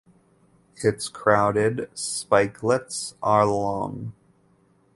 Its crowded spikelets are long.